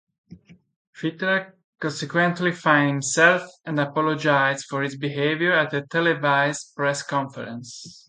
Fittler consequently fined himself and apologised for his behaviour at a televised press conference.